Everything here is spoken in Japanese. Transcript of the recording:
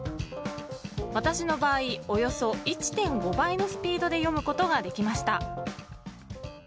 私の場合、およそ１．５倍のスピードで読むことができました。